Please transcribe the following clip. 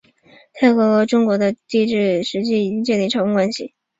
泰国和中国在中国的帝制时期便已经建立朝贡关系。